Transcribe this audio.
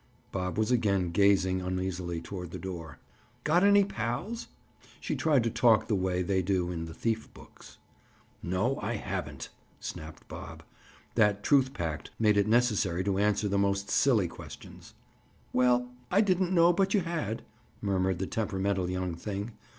Bob was again gazing uneasily toward the door. "Got any pals?" She tried to talk the way they do in the thief books. "No, I haven't," snapped Bob. That truth pact made it necessary to answer the most silly questions. "Well, I didn't know but you had," murmured the temperamental young thing.